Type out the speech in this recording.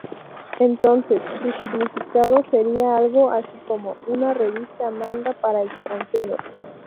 Entonces, su significado sería algo así como "Una revista manga para extranjeros".